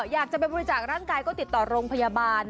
อยากจะไปบริจาคร่างกายก็ติดต่อโรงพยาบาล